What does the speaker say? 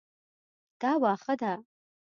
دا واښه ده